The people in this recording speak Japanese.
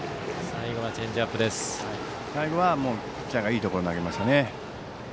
最後は、ピッチャーがいいところに投げましたね。